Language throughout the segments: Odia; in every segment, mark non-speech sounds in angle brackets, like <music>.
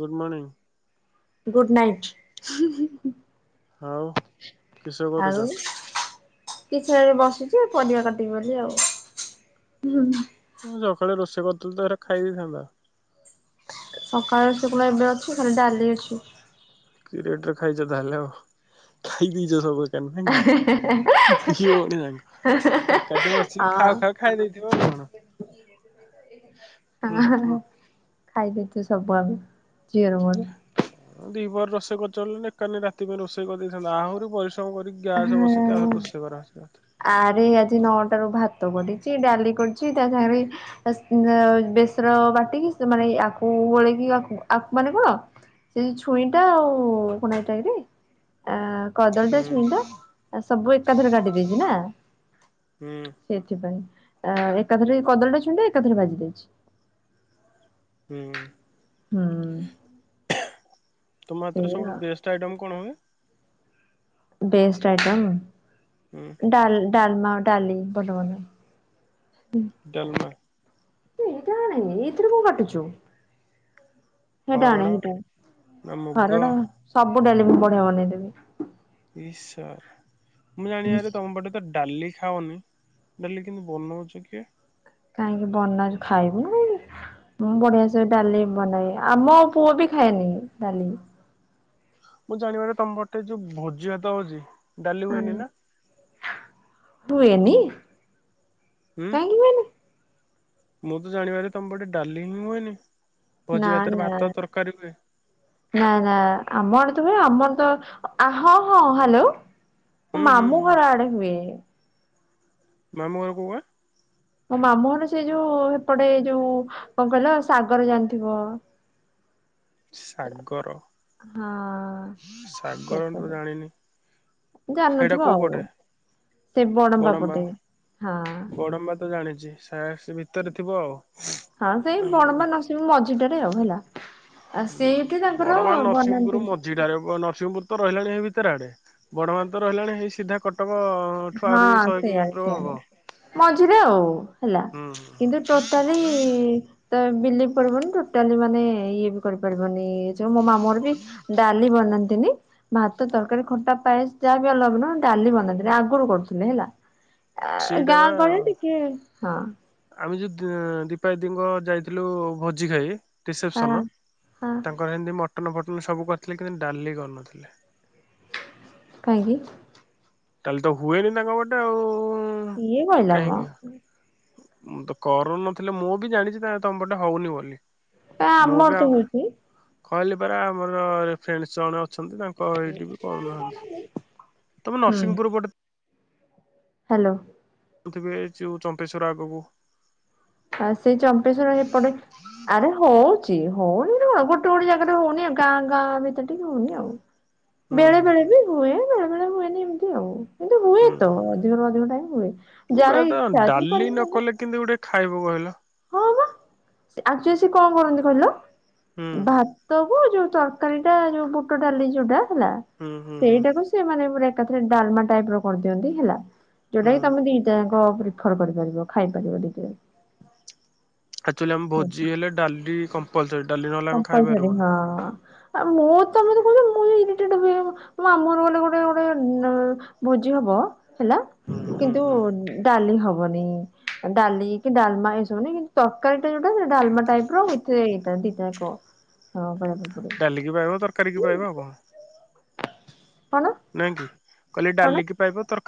ଗୁଡ୍ ମଣିଂ। ଗୁଡ୍ ନାଇଟ୍, ହୁଁ ହୁଁ ହୁଁ। ଆଉ କିସ କରୁଛ? ଆଉ କିଛି ନାଇଁ ଏଠି ବସିଚି ଏ ପରିବା କାଟିବି ବୋଲି ଆଉ ହୁଁ ହୁଁ। ହଁ ସକାଳେ ରୋଷେଇ କରିଥିଲ ତ ହେଇରା ଖାଇ ଦେଇଥାନ୍ତ। ସକାଳ ରୋଷେଇ କଣ ଏବେ ଅଛି, ଖାଲି ଡାଲି ଅଛି। କି ରେଟରେ ଖାଇଚ ତାହେଲେ ଆଉ, ଖାଇ ଦେଇଚ ସବୁ <unintelligible> ଦି ଭଉଣୀଯାଙ୍କ। ଏକାଠି ବସିକି ଖାଉ ଖାଉ ଖାଇ ଦେଇଥିବ ଆଉ କଣ। ହୁଁ <unintelligible> ଖାଇଦେଇଚୁ ସବୁ ଆମେ ଝିଅର ମୋର। ହଁ ଦ୍ୱିପହର ରୋଷେଇ କରିଚବେଲି ନା ଏକାନି ରାତି ପାଇଁ ରୋଷେଇ କରିଦେଇଥାନ୍ତ ଆହୁରି ପରିଶ୍ରମ କରିକି ଗ୍ୟାସ୍ ବସେଇକି ହଁ ଆହୁରି ରୋଷେଇ କରାହଉଚି <unintelligible> ଆରେ ଆଜି ନଅଟାରୁୁ ଭାତ କରିଚି ଡାଲି କରିଚି ତା ସାଙ୍ଗେରେ ବାସ୍ ବେସର ବାଟିକି ସେ ମାନେ ଆକୁ ଗୋଳେଇକି ଆ ଆକ୍ ମାନେ କଣ ଯେନ୍ତି ଛୁଇଁଟା ଆଉ କନ ଏଇଟାକିରେ ଆ କଦଳୀଟା ହୁଁ ଛୁଇଁଟା ତାର୍ ସବୁ ଏକାଥରେ କାଟି ଦେଇଚି ନା। ହୁଁ ସେଇଥିପାଇଁ। ଆଁ ଏକାଥରେ କଦଳୀଟା ଛୁଇଁଟା ଏକାଥରେ ଭାଜି ଦେଇଚି। ହୁଁ। ହୁଁ। ତୁମ ହାତରେ ସେଇଆ ସବୁଠୁ ବେଷ୍ଟେ ଆଇଟମ୍ କଣ ହୁଏ? Best item? ହୁଁ। ଡାଲ-ଡାଲମା ଡାଲି ବଲବଲ। ଡାଲମା। ଏଇଟା ଆଣେ ଏଇଥେରେ କଣ କାଟୁଚୁ। ହେଇଟା ଆଣେ ହରଡ଼ ହେଇଟା ଆଣେ ନା ମୁଗ ହରଡ ସବୁ ଡାଲି ମୁ ବଢିଆ ବନେଇଦେବି। ମୁଁ ଇସ୍ ଜାଣିବାରେ ତମ ପଟେ ତ ଡାଲି ଖାଅନି ଡାଲି କିନ୍ତି ବନାଉଚ କିଏ? କାହିଁକି ବନା ହଉଚି ଖାଇବୁନି କାହିଁକି। ମୁଁ ବଢିଆ ସେ ଡାଲି ବନାଏ, ଆମ ପୁଅ ବି ଖାଏନି ଡାଲି। ମୁଁ ଜାଣିବାରେ ତମ ପଟେ ଯୋଉ ଭୋଜି ଭାତ ହଉଚି ଡାଲି ହୁଏନି ନା? ହୁଏନି? ହୁଁ କାହିଁକି ହୁଏନି ମୁଁ ତ ଜାଣିବାରେ ତମପଟେ ଡାଲି ହିଁ ହୁଏନି। ଭୋଜି ନାଁ ଭାତରେ ନାଁ ଭାତ ତରକାରୀ ହୁଏ। ନାଇଁ ନା ଆମ ଆଡେ ତ ହୁଏ ଆମରତ ଅ-ଆ ହଁ ହଁ ହାଲୋ। ମୋ ହୁଁ ହୁଁ ମାମୁଁ ହୁଁ ଘର ଆଡେ ହୁଏ। ମାମଁ ଘର କୋଉ ଗାଁ? ମୋ ମାମୁଁଘର ସେ ଯୋଉ ହେପଟେ ଯୋଉ କଣ କହିଲ ସାଗର ଜାଣିଥିବ। <unintelligible> ସାଗର ହଁ। ସାଗର <inaudible> ସେପଟେ ଜାଣିନି। ସେଇଟା ଜାଣିନଥିବ କୋଉ ଆଉ, ପଟେ? ସେ ବଡମ୍ବା ପଟେ ହଁ। ମାମାତ ଜାଣିଛି ସାର୍ଟ ସେଭିତରେ ଥିବ ଆଉ। ହଁ ସେଇ ବଡ଼ମ୍ବା ଓନର ସିଂହ ପୁର ମଝିଟାରେ ଆଉ ହେଲା। ଆଉ ହୁଁ ସେଇଠି ତାଙ୍କର ବଡ଼ମ୍ବା ଓନରସିଂହପୁର ବନାନ୍ତି। ମ ଯିଟାରେ ନରସିଂହପୁର ତ ରହିଲାଣି ହେଇ ଭିତରେ ଆଡେ ବଡମ୍ବା ତ ରହିଲାଣି ହେଇ ସିଧା କଟକ ଠୁ ହଁ ଆହୁରି ଶହେ କିଲୋମିଟର ହବ। ସେଇଆଡ଼େସେଇଆଡ଼େମଝିରେ ଆଉ ହେଲା ହୁଁ କିନ୍ତୁ ଟୋଟା ଟୋଟାଲି ତ ବିଲେଇ ପଡିବନି ଟୋଟାଲି ମାନେ ଇଏ ବି କରିପାରିବନି। ଯଉ ମୋ ମାମୁ ଘର ବି ଡାଲି ବନାନ୍ତିନି। ଭାତ ତରକାରୀ ଖଟା ପାଏସ ଯାହା ବି ହଉଡାଲି ବନାନ୍ତିନିହେଲେ ଆଗରୁ କରୁଥିଲେ ହେଲା। ସେଇଟା ଗାଁ ଗହଳି ବା ଟିକେ ହଁ,। ଆମେ ଯଉ ଦୀପା ଦୀଙ୍କ ଯାଇଥିଲୁ ଭୋଜି ଖାଇ ହଁ ରିସେପସନ ହଁ ତାଙ୍କ ଙ୍କର ଏମିତି ମଟନ ଫଟନ ସବୁ କରିଥିଲେ କିନ୍ତୁ ଡାଲି କରିୁନଥିଲେ। କାହିଁକି? ତାହେଲେ ତ ହୁଏନି ତାଙ୍କ ଗଟେ ଆଉ କିଏ କହିଲା ମ କାହିଁକି। ମୁଁ ତ କରୁନଥିଲି ମୁଁ ବି ଜାଣିଛି ତାଲେ ତମ ପଟେ ହଉନି ବୋଲି। ଏ ମୁଁ ଆମର ବି ତ ଆଉ ହଉଛି କହିଲି ପରା ମୋର ଫ୍ରେଣ୍ଡ ଜଣ ଅଛନ୍ତି ତାଙ୍କ ଏଇଠି ବି କରୁନାହାନ୍ତି ତମେ ହୁଁ ନରସିଂହପୁର ପଟେ ହ୍ୟାଲୋ। ଥିବେ ଯୋଉ ଚମ୍ପେଶ୍ୱଵର ଆଗକୁ, ଆଉ ସେଇ ଚମ୍ପେଶ୍ଵର ହେପଟେ ଆରେ ହଉଛି ହଉନି କଣ ଗୋଟେ ଗୋଟେ ଜାଗାରେ ହଉନି ଗାଁ ଗାଁରେ, ସେଠି କି ହଉନି ଆଉ ହୁଁ ବେଳେ ହୁଁ ବେଳେ ହୁଁ ବି ହୁଏ ବେଳେ ବେଳେ ହୁଏନି ଏମିତି ଆଉ। କିନ୍ତୁ ହୁଏ ହୁଁ ତ ହୁଁ ଅଧିକରୁ ଅଧିକ ଟାଇମ୍ ହୁଏ ମୁଁ କହିବା ଯାହାର କଥା ଇଛା ଅଛି ଡାଲି ନ କରିବ। କଲେ କେମିତି ଗୋଟେ ଖାଇବୁ କହିଲ, ' ହଁ ବା ଆଜି ସ କଣ କରନ୍ତି କହିଲ ହୁଁ ଦ୍ଭା ଭାତ କୁ ଯୋଉ ତରକାରୀଟା ଯୋଉ ବୁଟ ଡାଲି ଯୋଉଟା ହେଲା ହୁଁ ହୁଁ ହୁଁ ସେଇଟାକୁ ସେମାନେ ଏକାଥରେ ଡାଲମା ଟାଇପ ର କରିଦିଅନ୍ତି ହେଲା ଯୋଉଟା ହୁଁ କି ତମ ଦିଟାଙ୍କର ଖର କରିପାରିବ ଖାଇ ପାରିବ ଟିକେ ଆକ୍ଚୁଆଲି ଆମରଭୋଜି ହେଲୋ କମ୍ପଲସରିୀ ଡାଲି ନହେଲେ ଆମେ କମ୍ପଲସରି ଖାଇପାରିବୁନ। ହଁ। ଆଉ ମୁଁ ତମେ କହୁଛ ମୁଁ ଇରିଟେଡ ହୁଏ ମାମୁଁ ଘରର ଗଲେ ଗୋଟେ ଗୋଟେ ବୋ ଭୋଜି ହବ ହେଲା ହୁଁ ହୁଁ କିନ୍ତୁ ହୁଁ ଡାଲି ହବନି ଡାଲି କି ଡାମା ଏସବୁନି କିନ୍ତୁ ତରକାରୀ ଟା ଯୋଉଟା ସେ ଡାଲମା ଟାଇପ ର ଉଇ ସେଇଟା ଦିଇଟା କ ବାଳିଆ ପିମ୍ପୁଡି ଡାଲିକି ପାଇବା ତରକାରୀ କି ପାଇବ ଆଉ କଣ ହଁ ନା ନାଇଁ କି କହିଲେ ଡାଲିକି ପାଇବ ତର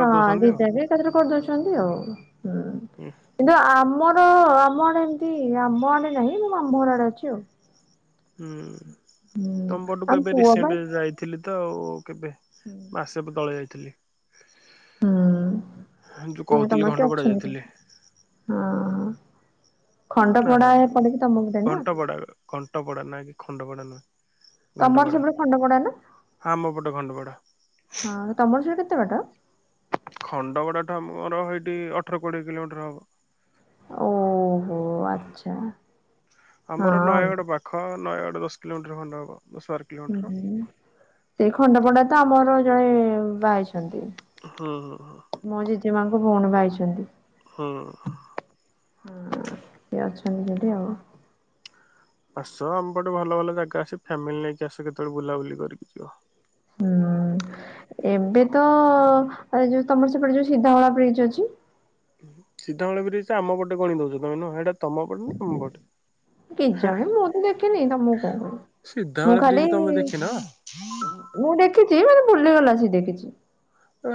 ହଁ ଦିଇଟା କ ଏକାଥରେ କରିଦଉଛନ୍ତି ଆଉ ହୁଁ କିନ୍ତୁ ଆମର ଆମ ଆଡେ ଏମିତି ଆମ ଆଡେ ନାହିଁ ମୁଁ ମାମୁଁ ଘର ଆଡେ ଅଛି ଆଉ ହୁଁ ହୁଁ ଆମ ତମପଟକୁ ଏବେ ପୁଅ ବା ରିସେଣ୍ଟ ଯାଇଥିଲି ତ ଆଉ ଏବେ ମାସକ ତଳେ ଯାଇଥିଲି। ଯୋଉ ହୁଁ କହୁଥିଲି ତମର କିଏ ଘଣ୍ଟପଡା ଅଛନ୍ତି ଯାଇଥିଲି ହଁ ଖଣ୍ଡ ପଡା ଏପଟେ ବି ତମ ପଟେ ନା କଣ୍ଟ ପଡ଼ା ନାହିଁ କି ଖଣ୍ଡ ପଡ଼ା ନୁହେଁ ତମର ଘଟପଡା ସେପଟେ ଖଣ୍ଡପଡା ନା? ଆମ ପଟେ ଘଟପଡା ହଁ ତମର ସେ କେତେ ବାଟ? ଖଣ୍ଡଗଡାଠା ମୋର ହେଇଠି ଅଠର କୋଡିଏ କିଲୋ ମିଟର ହବ। ଓହୋ ଆଚ୍ଛା। <inaudible> ଆମର ହଁ ନୟାଗଡ ପା ଖ ନୟାଗଡ଼ ଦଶ କିଲୋମିଟର ଖଣ୍ଡେ ହବ ଦଶ ବାର ହୁଁ କିଲୋମିଟର। ସେଇ ଖଣ୍ଡପଣ୍ଡା ତ ଆମର ଜଣେ ବାହା ହେଇଛନ୍ତି। ହଁ ହଁ ହଁ ମୋ ଜେଜେମାଙ୍କ ଭଉଣୀ ବା ହେଇଛନ୍ତି। ହୁଁ ହୁଁ ଇଏ ଅଛନ୍ତି ବୋଧେ ଆଉ। ଆସ ଆମ ପଟେ ଭଲ ଭଲ ଜାଗା ଅଛି ଫ୍ୟାମିଲି ନେଇକି ଆସ କେତେବେଳେ ବୁଲାବୁଲି କରିକି ଯିବ। ହୁଁ ଏବେ ତ ଯୋଉ ତମର ସେପଟେ ଯୋଉ ସିଧବଳା ବ୍ରିଜ୍ ଅଛି। ସିଧାବଳ ବ୍ରିଜ୍ ଆମ ପଟେ ପାଣି ଦଉଛ ଏଇଟା ତମ ପଟେ ନା ଆମ ପଟେ? କିଜାଣି ମୁଁ ତ ଦେଖିନି ତମକୁ କଣ କହିବି ସିଧାମୂଳ ମୁଁ ବ୍ରିଜ ଖାଲି। ତମେ ଦେଖିନ? ମୁଁ ଦେଖିଚି ମାନେ ବୁଲିଗଲା ସେ ଦେଖିଚି।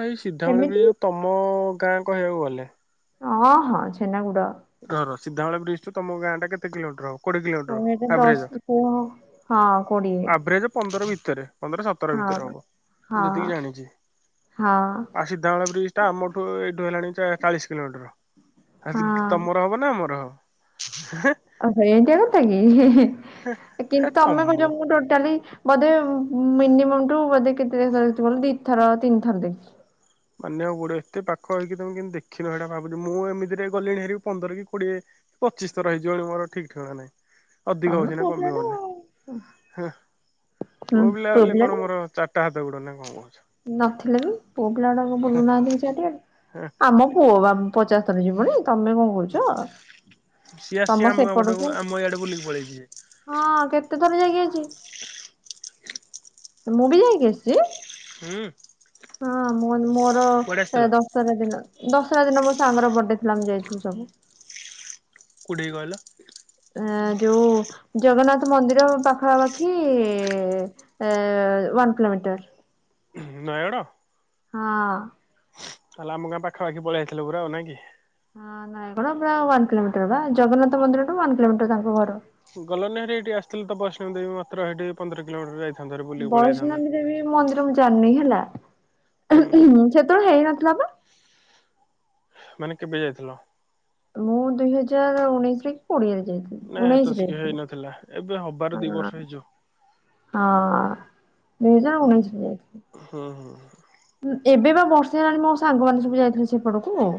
ଏଇ ସିଧାବଳ ବ୍ରିଜ୍ ତମ ଗାଁ କହିବାକୁ ଗଲେ। ହଁ ହଁ ଛେନାଗୁଡ। ରର ସିଧାବଳ ବ୍ରିଜ୍ଠୁ ତମ ଗାଁଟା କେତେ କିଲମିଟର ହବ? କୋଡିଏ କିଲୋମିଟର କୋଡ଼ିଏଟା ଦଶ ଆଭ୍ରେରେଜ। କୋ ହଁ କୋଡ଼ିଏ ଆଭ୍ରେରେଜ ପନ୍ଦର ଭିତରେ। ପନ୍ଦର ସତର ହଁ ଭିତରେ ହବ। ହଁ ମୁଁ ଯେତିକି ଜାଣିଛି। ହଁ ଆ ସିଧାବଳ ବ୍ରିଜ୍ ଟା ଆମଠୁ ଏଇଠୁ ହେଲାଣି ଚାଳିଶି କିଲୋମିଟର। <unintelligible> ହଁ ତମର ହବ୍ ନା ଆମର ହ। <unintelligible> ଓହ ଏଇଟା କଥା କିି ହେ କିନ୍ତୁ ତମ ତମେ କହୁଚ ମୁଁ ଟୋଟାଲି ବୋଧେ ମିନିୟମଟୁ ବୋଧେ କେତେ ଦି ଥର ତିନିଥର ଦେଖିଚି। ମାନିଆକୁପଡିବ ଏତେ ପାଖ ହେଇକି ତମେ କିନ୍ତୁ ଦେଖିନ ଏଇଟା ଭାବୁଚି ମୁଁ ଏମତିରେ ଗଲିଣି ହେ ପନ୍ଦର କି କୋଡ଼ିଏ? ପଚିଶି ଥର ହେଇଯିବଣି ମୋର ଠିକ୍ ଠିକଣା ନାହିଁ। ଅଧିକ ତମେ ହଉଛି ନା ପୁଅ କମିବ ପିଲାଟା ହେଲେ ଆଉ। ହୁଁ ପୁଅ ପିଲା ବୋଲି ପିଲାଟା କଣ ମୋର ଚା ତାହା ହାତ ଗୋଡ ନା କଣ କହୁଛୁ? ନଥିଲେ ବି ପୁଅପିଲା ଗୁଡାକ କଣ ବୁଲୁନାହାନ୍ତି କି ଚାରିଆଡେ? ହେଁ ଆମ ପୁଅ ବା ପଚାଶ ଥର ଯିବଣି ତମେ କଣ କହୁଛ? ସିଏ ତମ ଆସିଚି ଆମ ଗାଁ ସେପଟକୁ ପଟକୁ ଆମ ଇଆଡେ ବୁଲିକି ପଳେଇଚି ଯେ। ହଁ କେତେ ଥର ଯାଇକି ଆଇଚି। <inaudible> ମୁଁ ବି ଯାଇକି ଆସିଛି। ହୁଁ ହଁ ମୋ ମୋର କୁଆଡେ ଆସିଥିଲ ଦ ଦଶହରା ଦିନ ଦଶହରା ଦିନ ମୋ ସାଙ୍ଗର ବଡେଥିଲା ମୁଁ ଯାଇଥିଲି ସବୁ। କୋଉଠିକି କହିଲ? ଆଁ ଯୋଉ ଜଗନ୍ନାଥ ମନ୍ଦିର ପାଖାପାଖି ଏ ୱାନ କିଲୋମିଟର। ନୟାଗଡ଼। ହଁ। ତାହେଲେ ଆମ ଗାଁ ପାଖାପାଖି ପଳେଇ ଆାଇଥିଲ ପୁରା ଆଉ ନା କି? ହଁ ନୟାଗଡ ପୁରା ୱାନ୍ କିଲୋମିଟର ବା ଜଗନ୍ନାଥ ମନ୍ଦିରୁ ୱାନ୍ କିଲୋମିଟର ତାଙ୍କ ଘର। ଗଲନି ସେଠିକି ଆସିଥିଲ ଟିକେ ବୈଷ୍ଣବଦେବୀ ମାତ୍ର ସେଠି ପନ୍ଦର କିଲୋମିଟର ଯାଇ ବୈଷ୍ଣବୀ ଦେବୀ ମନ୍ଦିର ମୁଁ ଜାଣିନି ହେଲା ହୁଁ ସେତେବେଳେ ହେଇନଥିଲା ବା? ମାନେ କେବେ ଯାଇଥିଲ? ମୁଁ ଦୁଇ ହଜାର ଉଣେଇଶିରେ କି କୋଡିଏରେ ଯାଇଥିଲି? ନାଇଁ ଏତେ ଉଣେଇଶରେ ଶିକ ହେଇ ଯାଇଥିଲି। ନଥିଲା ଏବେ ହବାର ହଁ ଦି ବର୍ଷ ହେଇଯିବ। ହଁ, ଦୁଇ ହଜାର ଉଣେଇଶିରେ ଯାଇଥିଲି। ହୁଁ ହୁଁ। ଏବେ ବା ବର୍ଷେ ହେଲାଣି ମୋ ସାଙ୍ଗମାନେ ସବୁ ଯାଇଥିଲେ ସେପଟକୁ।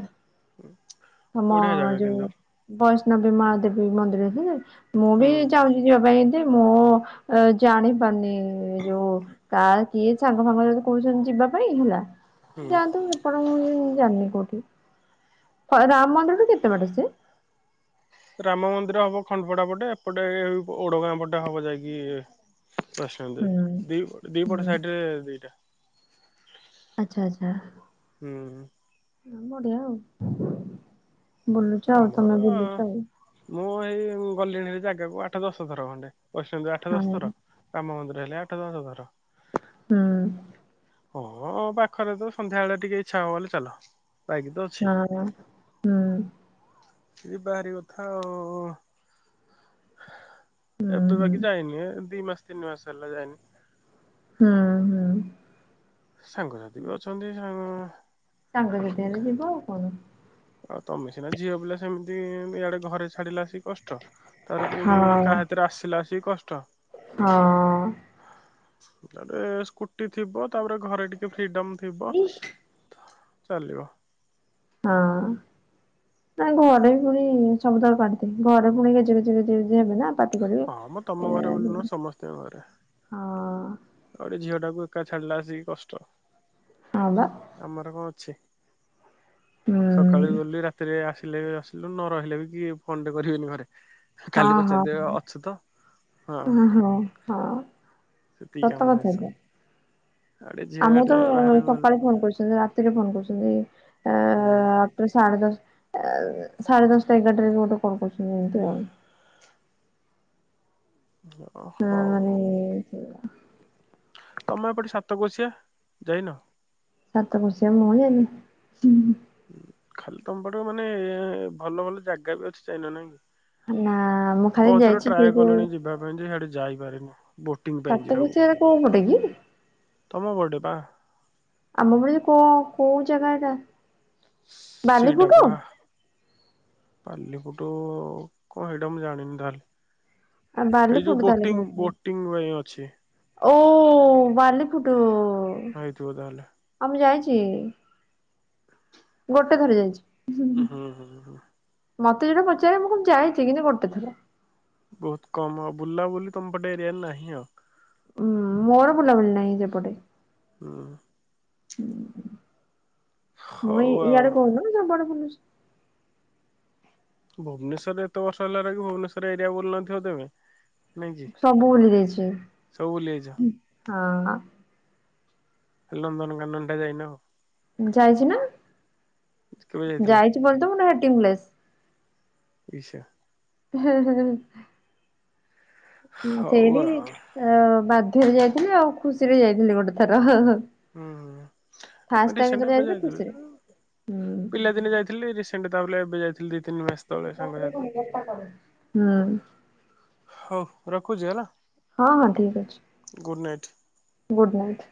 ହଁ ମ ବଢିଆ ଜାଗା ଯୋଉ- କିନ୍ତୁ - ବୈଷ୍ଣବୀ ମାହାଦେବୀ ମନ୍ଦିର ବି ମୁଁ ହୁଁ ବି ହୁଁ। ଯାଉ ଯିବା ପାଇଁ ଏ ମୁଁ ଜାଣି ପାରୁନି ଯୋଉ କା କିଏ ସାଙ୍ଗ ଫାଙ୍ଗ ଯଦି କହୁଚନ୍ତି ଯିବା - - ପାଇଁ ହେଲା ହୁଁ ଯାଆନ୍ତୁ। ହେପଟ ମୁଁ ଜାଣିନି କୋଉଠି? ହ ରାମ ମନ୍ଦିରରୁୁ କେତେ ବାଟ ସେ। <unintelligible> ରାମ ମନ୍ଦିର ହବ ଖଣ୍ଡପଡା ପଟେ, ଏପଟେ ଓଡଗାଁ ପଟେ ହବ ଯାଇକି - - ପ୍ରଶାନ୍ତି ଦେଇ। ହୁଁ ଦି, ଦିପଟ ସାଇଟରେ ଦିଟା। ଆଚ୍ଛା ଆଚ୍ଛା। ହୁଁ। ବଢିଆ ଆଉ। ବୁଲୁଚ ଆଉ ଆମର ତମେ ବୁଲୁଚ ଆଉ। ମୁଁ ଏଇ ଗଲିଣି ଜାଗାକୁ ଆଠ ଦଶଥର ଖଣ୍ଡେ, ବୈଷ୍ଣବୀ ଦେବି ଆଠ ଦଶ ହଁ ଥର। କାମ ମନ୍ଦିରେ ହେଲେ ଆଠ ଦଶଥର। ହୁଁ। ହଁ ପାଖରେ ତ ସନ୍ଧ୍ୟା ବଳେ ଟିକେ ଇଚ୍ଛା ହବ ବେଲେ ଚାଲ। ବାଇକି ତ ଅଛି ଅଁହଁ ହୁଁ। ଯିବା ହେରି କଥା ଆଉ। ହୁଁ ଏବେ ହୁଁ ବାକି ଯାଇନି ଦି ମାସ ତିନି ମାସ ହେଲା ଯାଇନି। ହଁ। ସାଙ୍ଗସାଥି ବି ଅଛନ୍ତି ସା- - ସାଙ୍ଗ ସଥି ମାନେ ଯିବ ଆଉ କଣ? ଆଉ ତମେ ସିନା ଝିଅ ପିଲା ସେମିତି ଇଆଡେ ଘରେ ଛାଡିଲା- - ଆସିକି କଷ୍ଟ। ତାର କୋଉଠି ଗୋଟେ ହଁ କାହା ସାଥିରେ ଆସିଲା ସେ କଷ୍ଟ। ହଁ। ତାପରେ ସ୍କୁଟି ଥିବ, ତାପରେ ଘରେ ଟିକେ ଫ୍ରିଡମ୍ - - ଥିବ ଇସ୍ ଚାଲିବ। ହଁ। ନାଇଁ ଘରେ ବି ପୁଣି ସବୁଜାକ ପାଟି। ଘରେ ପୁଣି ଗେଜେ ଗେଜେ ଗେଜେ ହେବେ ନା। ପାଟି କରିବେ। ହଁ ମଁ ତମ ଘରେ ବୋଲି ନୁହେଁ। ସମସ୍ତଙ୍କ ଘରେ। ଆଉ ଗୋଟେ ଝିଅଟାକୁ ଏକା ଛାଡିଲା ଆସିକି କଷ୍ଟ। ହଁ ବା। ଆମର କଂ ଅଛି। ହୁଁ। ସକାଳୁ ଗଲି ରାତିରେ ଆସିଲେ ବି ଆସିଲୁ ନ ରହିଲେ ବି କି ଫୋନ୍ଟେ କରିବେନି ଘରେ। ହଁ ଖାଲି ହଁ ପଚାରି ଦେବେ ଅଛୁତ ହଁ ସେତିକି ସତ କାମ କଥା ଶେଷ। ଯେ। ଆଉ ଟିକେ ଝିଅ ଆମକୁ ଟେ ତ ବାହାରକୁ ଗଲେ ସକାଳେ ଫୋନ କରୁଚନ୍ତି ରାତିରେ ଫୋନ କରୁଚନ୍ତି। ହୁଁ। ସାଢେ ଦଶ ସାଢେ ଦଶଟା ଏଗାରଟାରେ ବି ମତେ କଲ୍ କରୁଚନ୍ତି ଏମିତି ଆଉ। ଓହୋ ହଁ ମାନେ ହଉ। ତମେ ଏପଟେ ସାତକୋଶିଆ ଯାଇନ। ସାତକୋଶିଆ <unintelligible> ଖାଲି ତମ ପଟେ ମାନେ ଭଲ ଭଲ ଜାଗା ବି ଅଛି ଯାଇନ ନାଇଁ କି। ନା ମୁଁ ଖାଲି ବହୁତ ଥର ଯାଇଛି ସେ ଟ୍ରାଏ ଯୋଉ କଲିଣି ଯିବା ପାଇଁ ଯେ ଇହାଡେ ଯାଇପାରିନି। ବୋଟିଂ ପାଇଁ ଯିବାକୁ ସାତକୋଶିଆରେ କୋଉ ପଟେ କି? ତମ ପଟେ ପା। ଆମ ବୋଲେ କୋ କୋଉ ଜାଗା ଏଟା? ସେଇଟା ବାଲିଫୁଟ? ପା ପାଲି ପୁଟୁ କଣ ଏଇଟା ମୁଁ ଜାଣିନି ତାହେଲେ। ଆ ଏଇ ଯୋଉ ବାଲିଫୁଟ ତାହେଲେ ବୋଟିଂ କହୁଥିଲ ବୋଟିଂ ପାଇଁ ଅଛି। ଓ ବାଲିଫୁଟୁ। ହେଇଥିବ ତାହେଲେ। ଆ ମୁଁ ଯାଇଛି। <unintelligible> ଗୋଟେ ଥର ଯାଇଛି। ହୁଁ ହୁଁ ହୁଁ। ମତେ ଯେତେବଳେ ପଚାରିବେ ମୁଁ କହିବି ଯାଇଛି କିନ୍ତୁ ଗୋଟେଥର। ବହୁତ କମ ଆଉ ବୁଲାବୁଲି ତମପଟେ ଏରିଆରେ ନାହିଁ ଆଉ। ହୁଁ ମୋର ବୁଲା ବୁଲି ନାହିଁ ସେପଟେ। ହୁଁ। ମୁଁ ହଉ ଆଉ ଇଆଡେ କହୁନ ସବୁଆଡେ ବୁଲୁଛି। ଭୁବନେଶ୍ୱରରେ ଏତେବର୍ଷ ହେଲା ରହିକି ଭୁବନେଶ୍ୱର ଏରିଆ ବୁଲିନଥିବ ତମେ। ନାଇଁ କି? ସବୁ ସବୁ ବୁଲି ଯାଇଛ? ବୁଲିଯାଇଛି ହଁ। ଖାଲି ନନ୍ଦନକାନନ ଟା ଯାଇନ ଆଉ। ଯାଇଛି ନା କେବେ ଯାଇଥିଲ? ଯାଇଛି <unintelligible> ଇଶା ହେ ହେ ହେ। ହଉ ସେଇଠି ଆଉ ବାଧ୍ୟରେ ଯାଇଥିଲି ଆଉ ଖୁସିରେ ଯାଇଥିଲି ଗୋଟେ ଥର ହ ହ। ହୁଁ <unintelligible> ଯାଇଥିଲି ଖୁସିରେ ହୁଁ ପିଲାଦିନେ ଯାଇଥିଲି ରିସି <unintelligible> ଏବେ ଯାଇଥିଲି ଦି ତିିନି ମାସ ତଳେ ସାଙ୍ଗସାଥି <unintelligible> ହୁଁ। ହଉ ରଖୁଛି ହେଲା। ହଁ ହଁ ଠିକ୍ ଅଛି। Good night. Good night.